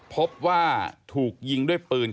พบว่าถูกยิงด้วยปืน